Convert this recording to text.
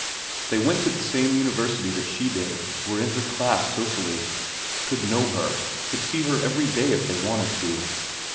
They went to the same university that she did, were in her class socially, could know her, could see her every day if they wanted to.